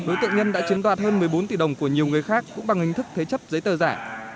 đối tượng nhân đã chiếm đoạt hơn một mươi bốn tỷ đồng của nhiều người khác cũng bằng hình thức thế chấp giấy tờ giả